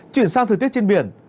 chuyển sang thời tiết trên biển